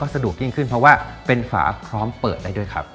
สะดวกยิ่งขึ้นเพราะว่าเป็นฝาพร้อมเปิดได้ด้วยครับ